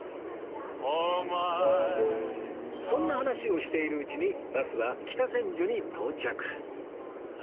そんな話をしているうちにバスは北千住に到着